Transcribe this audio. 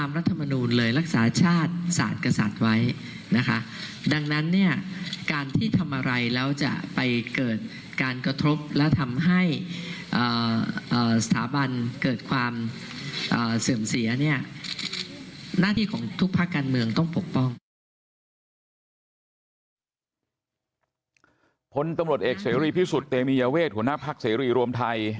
ผลตำรวจเอกเสรีพิสุทธิ์เตมียเวทหัวหน้าพักเสรีรวมไทย